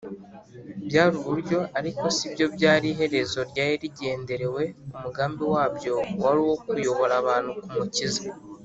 byari uburyo, ariko si byo byari iherezo ryari rigenderewe umugambi wabyo wari uwo kuyobora abantu ku mukiza,